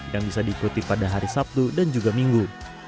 yang bisa diikuti pada hari sabtu dan juga minggu